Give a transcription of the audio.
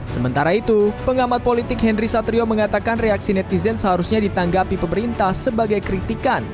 sementara itu pengamat politik henry satrio mengatakan reaksi netizen seharusnya ditanggapi pemerintah sebagai kritikan